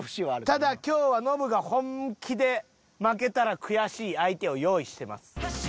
ただ今日はノブが本気で負けたら悔しい相手を用意してます。